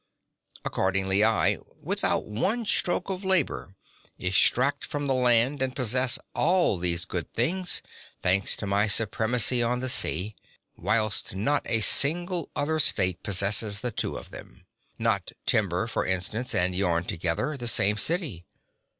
Accordingly I, without one stroke of labour, extract from the land and possess all these good things, thanks to my supremacy on the sea; whilst not a single other state possesses the two of them. Not timber, for instance, and yarn together, the same city.